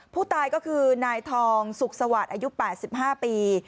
ผู้ตายก็คือนายทองสุขสวัสดิ์อายุ๘๕ปี